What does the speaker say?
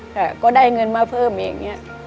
ทำงานก็ได้เงินมาเพิ่มเอง